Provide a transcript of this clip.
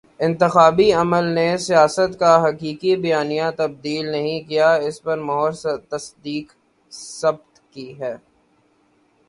انتخابی عمل نے سیاست کا حقیقی بیانیہ تبدیل نہیں کیا، اس پر مہر تصدیق ثبت کی ہے۔